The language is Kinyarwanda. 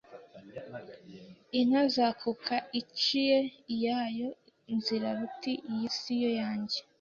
Inka zakuka iciye iyayo nzira ruti Iyi si yo yanjye